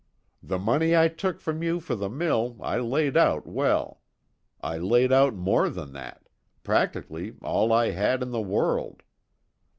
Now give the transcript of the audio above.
The money I took from you for the mill I laid out well. I laid out more than that practically all I had in the world.